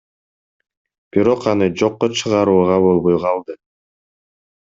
Бирок аны жокко чыгарууга болбой калды.